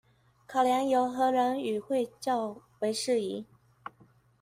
考量由何人與會較為適宜